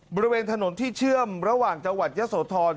บริเวณถนนที่เชื่อมระหว่างจังหวัดยะโสธร